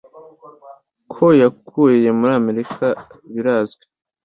Ko yakuriye muri Amerika birazwi.